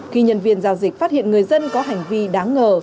khi nhân viên giao dịch phát hiện người dân có hành vi đáng ngờ